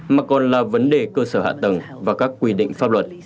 mà còn là vấn đề cơ sở hạ tầng và các quy định pháp luật